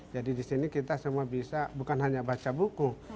jadi disini kita semua bisa bukan hanya baca buku